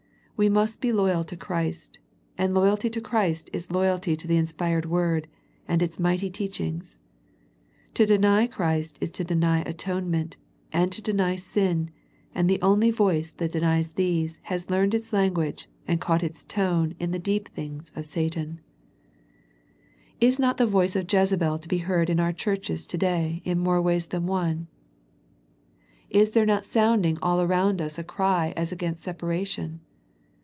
We must be loyal to Christ, and loyalty to Christ is loyalty to the inspired Word, and its mighty teachings. To deny Christ is to deny atonement, and to deny sin, and the only voice that denies these has learned its language and caught its tone in the deep things of Satan. The Thyatira Letter 131 Is not the voice of Jezebel to be heard in our churches to day in more ways than one? Is there not sounding all around us a cry as against separation